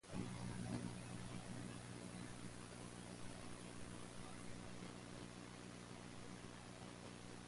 Some icons for these cathedrals are believed to have been painted by Chyorny.